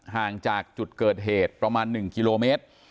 ห่างจากจุดเกิดเหตุประมาณ๑กิโลเมตร